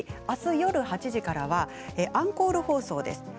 あす夜８時からはアンコール放送です。